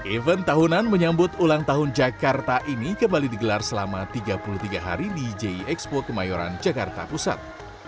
event tahunan menyambut ulang tahun jakarta ini kembali digelar selama tiga puluh tiga hari di jie expo kemayoran jakarta pusat